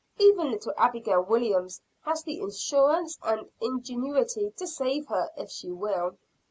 Even little Abigail Williams has the assurance and ingenuity to save her, if she will."